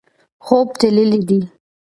خوب تللی دی.